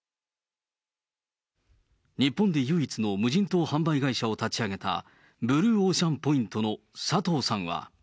日本で唯一の無人島販売会社を立ち上げた、ブルーオーシャンポイントの佐藤さんは。